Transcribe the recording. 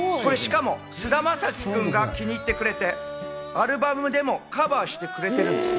これ、しかも菅田将暉君が気に入ってくれて、アルバムでもカバーしてくれてるんです。